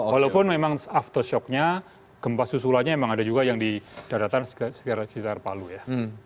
walaupun memang aftoshocknya gempa susulannya memang ada juga yang di daratan sekitar palu ya